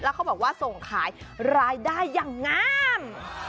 เขาบอกว่าส่งขายรายได้อย่างงาม